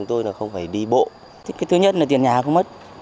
thì tiền điện thôi